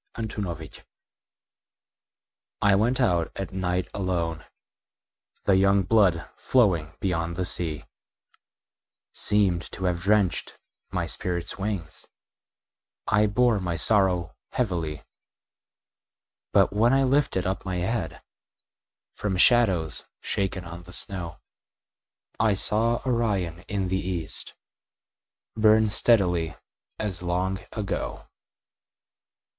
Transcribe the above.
Winter Stars I went out at night alone; The young blood flowing beyond the sea Seemed to have drenched my spirit's wings I bore my sorrow heavily. But when I lifted up my head From shadows shaken on the snow, I saw Orion in the east Burn steadily as long ago.